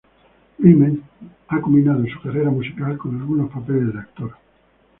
Rhymes ha combinado su carrera musical con algunos papeles de actor.